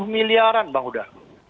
sepuluh miliaran bang uda